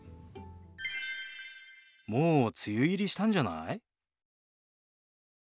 もう梅雨入りしたんじゃない？